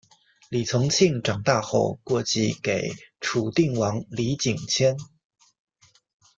李从庆长大后过继给楚定王李景迁。